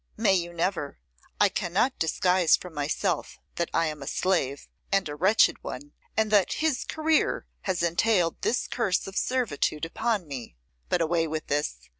'May you never! I cannot disguise from myself that I am a slave, and a wretched one, and that his career has entailed this curse of servitude upon me. But away with this!